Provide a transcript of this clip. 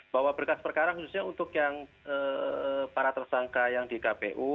bahwa berkas perkara khususnya untuk yang para tersangka yang di kpu